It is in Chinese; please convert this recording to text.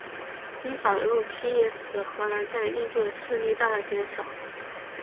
英法的入侵也使荷兰在印度的势力大大减少。